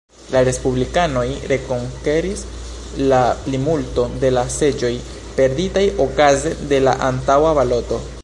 La respublikanoj rekonkeris la plimulto, de la seĝoj perditaj okaze de la antaŭa baloto.